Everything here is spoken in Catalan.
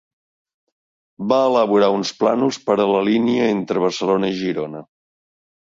Va elaborar uns plànols per a la línia entre Barcelona i Girona.